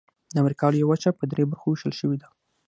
د امریکا لویه وچه په درې برخو ویشل شوې ده.